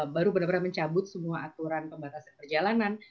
baru benar benar mencabut semua aturan pembatasan perjalanan